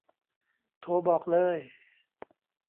โทรบอกเลย